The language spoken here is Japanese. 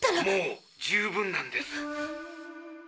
もう十分なんです。